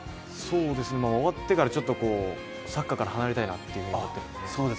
終わってからちょっとサッカーから離れたいなって思っているので。